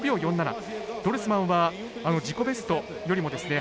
ドルスマンは自己ベストよりもですね